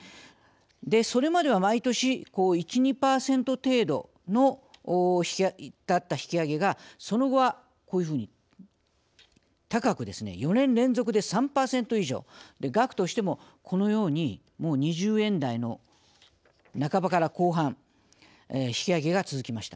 それまでは毎年１２％程度だの引き上げがその後はこういうふうに価格４年連続で３％以上額としてもこのように２０円台の半ばから後半引き上げが続きました。